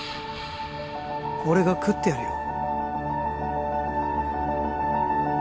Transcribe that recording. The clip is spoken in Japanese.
俺が喰ってやるよ